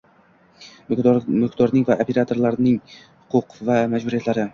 Mulkdorning va operatorning huquq va majburiyatlari